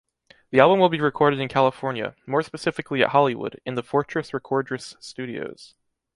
The album will be recorded in California, more specifically at Hollywood, in the Fortress Recordres studios.